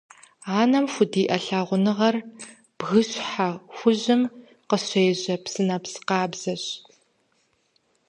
Анэм худиӀэ лъагъуныгъэр бгыщхьэ хужьым къыщежьэ псынэпс къабзэщ.